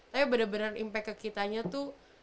tapi bener bener impact ke kitanya tuh